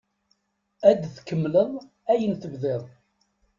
Ad tkemmleḍ ayen tebdiḍ.